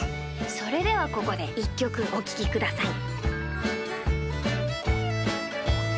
それではここで１きょくおききください。